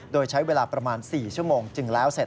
โดยใช้เวลาประมาณ๔ชั่วโมงจึงแล้วเสร็จ